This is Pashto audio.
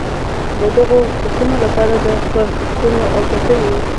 د دغو پسونو لپاره د کښتونو او پټیو.